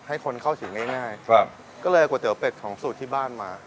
ให้คนเข้าถึงง่ายครับก็เลยเอาก๋วเตี๋เป็ดของสูตรที่บ้านมา